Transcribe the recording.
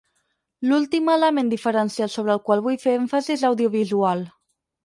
L'últim element diferencial sobre el qual vull fer èmfasi és l'audiovisual.